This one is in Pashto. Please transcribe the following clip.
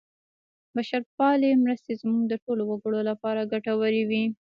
بشرپالې مرستې زموږ د ټولو وګړو لپاره ګټورې وې.